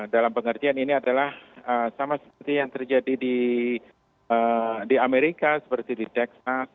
dalam pengertian ini adalah sama seperti yang terjadi di amerika seperti di ceknas